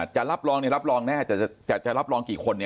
จะรับรองรับรองแน่แต่จะรับรองกี่คน